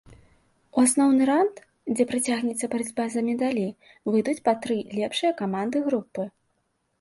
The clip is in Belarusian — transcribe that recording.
У асноўны раўнд, дзе працягнецца барацьба за медалі, выйдуць па тры лепшыя каманды групы.